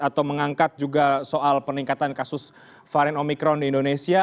atau mengangkat juga soal peningkatan kasus varian omikron di indonesia